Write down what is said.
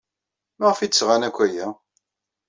Maɣef ay d-sɣan akk aya?